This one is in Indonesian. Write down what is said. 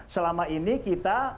selama ini kita